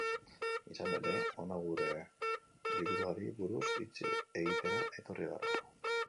Izan ere, hona gure liburuari buruz hitz egitera etorri gara!